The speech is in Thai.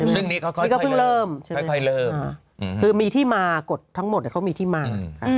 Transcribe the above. ซึ่งนี้เขาค่อยเริ่มคือมีที่มากฎทั้งหมดแต่เขามีที่มา